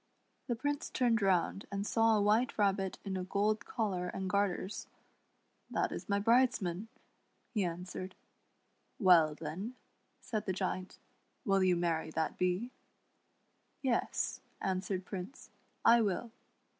The Prince turned round and saw a White Rabbit in a gold collar and garters. " That is my bridesman," he answered. "Well, then," said the Giant, "will you marry that Bee }"" Yes," answered Prince, " I will."